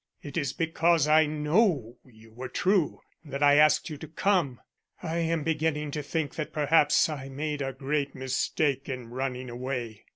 "It is because I know you were true that I asked you to come. I am beginning to think that perhaps I made a great mistake in running away.